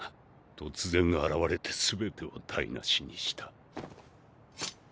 突然現れてすべてを台なしにした。